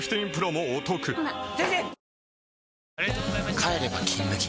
帰れば「金麦」